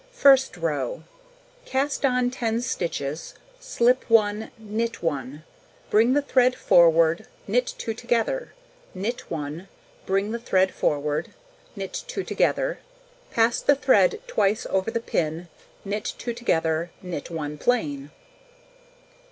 First row: Cast on 10 stitches, slip 1, knit 1, bring the thread forward, knit 2 together, knit 1, bring the thread forward, knit 2 together, pass the thread twice over the pin, knit 2 together, knit 1 plain.